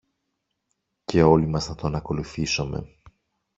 και όλοι μας να τον ακολουθήσομε.